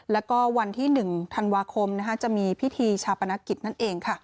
แล้วก็วันที่๑ธันวาคมจะมีพิธีชาปนกิจนั่นเองค่ะ